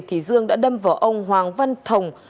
thì dương đã đâm vào ông hoàng văn thồng